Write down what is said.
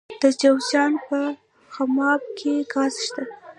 د جوزجان په خماب کې ګاز شته.